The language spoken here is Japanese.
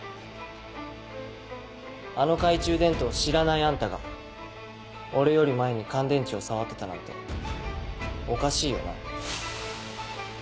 あの懐中電灯を知らないあんたが俺より前に乾電池を触ってたなんておかしいよな。